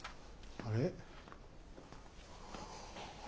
あれ。